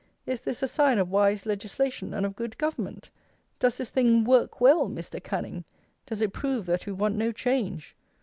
Is this a sign of wise legislation and of good government? Does this thing "work well," Mr. Canning? Does it prove that we want no change?